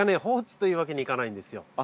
放置というわけにいかないんですよ。